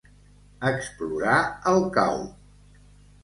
Explorar el cau.